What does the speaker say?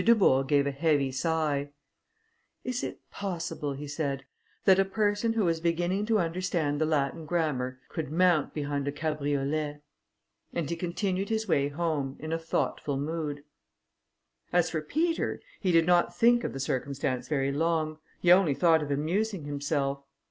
Dubourg gave a heavy sigh: "Is it possible," he said, "that a person who was beginning to understand the Latin grammar could mount behind a cabriolet!" And he continued his way home, in a thoughtful mood. As for Peter, he did not think of the circumstance very long, he only thought of amusing himself.